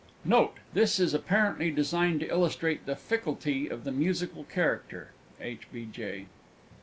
Note. This is apparently designed to illustrate the ficklety of the Musical Character. H. B. J.